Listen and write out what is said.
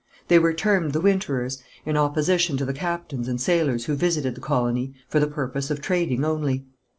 They were termed the winterers, in opposition to the captains and sailors who visited the colony for the purpose of trading only.